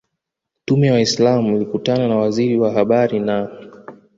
Tume ya waislamu ilikutana na Waziri wa Habari na